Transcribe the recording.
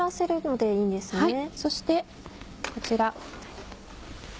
はいそしてこちら。